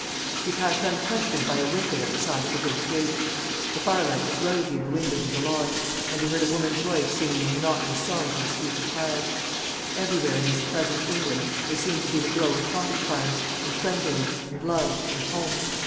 He passed unquestioned by a wicket at the side of the great gates. The firelight was rosy in the windows of the lodge, and he heard a woman's voice singing a monotonous song to a sleepy child. Everywhere in this pleasant England there seemed to be the glow of cottage fires, and friendliness, and love, and home.